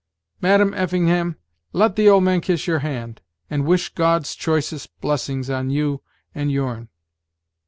Madam Effingham, let an old man kiss your hand, and wish God's choicest blessings on you and your'n."